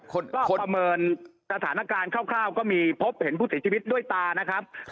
คนประเมินสถานการณ์คร่าวก็มีพบเห็นผู้เสียชีวิตด้วยตานะครับ